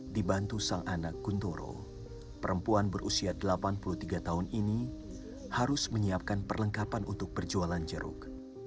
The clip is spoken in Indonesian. dibantu sang anak guntoro perempuan berusia delapan puluh tiga tahun ini harus menyiapkan perlengkapan untuk berjualan jeruk